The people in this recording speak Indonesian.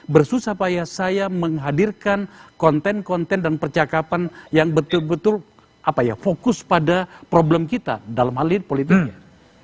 bersusah payah saya menghadirkan konten konten dan percakapan yang betul betul fokus pada problem kita dalam hal ini politiknya